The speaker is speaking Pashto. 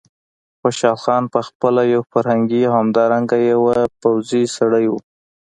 خوشحال خان په خپله یو فرهنګي او همدارنګه یو پوځي سړی و.